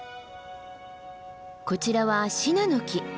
こちらはシナノキ。